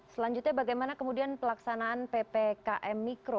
selanjutnya bagaimana kemudian pelaksanaan ppkm mikro